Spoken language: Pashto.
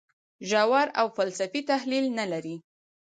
ژور او فلسفي تحلیل نه لري.